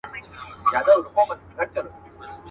زما كيسه به ښايي نه وي د منلو.